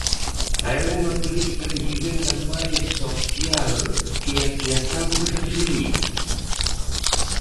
¿Hai algunha política de vivenda máis social que a que acabo de referir?